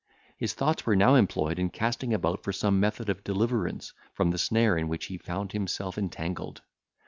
His thoughts were now employed in casting about for some method of deliverance from the snare in which he found himself entangled.